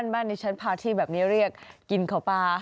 บ้านชั้นภาร์ตี้แบบนี้เรียกกินข่าวปลา